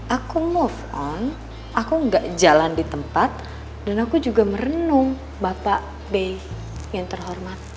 aku move on aku nggak jalan di tempat dan aku juga merenung bapak bey yang terhormat